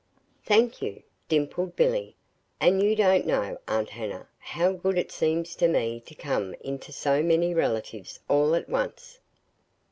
"Thank you," dimpled Billy, "and you don't know, Aunt Hannah, how good it seems to me to come into so many relatives, all at once!"